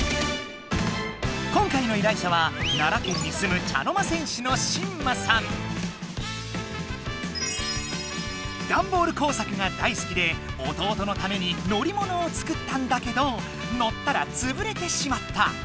今回の依頼者は奈良県にすむダンボール工作がだいすきで弟のために乗りものを作ったんだけど乗ったらつぶれてしまった。